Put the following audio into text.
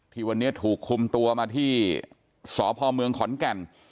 ที่วันนี้ถูกคุมตัวมาที่สพเมืองขอนแก่น